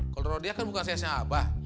kalau rodia kan bukan cs nya abah